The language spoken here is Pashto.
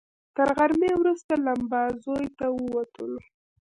تر غرمې وروسته لمباځیو ته ووتلو.